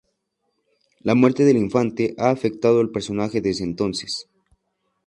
La muerte del infante ha afectado al personaje desde entonces.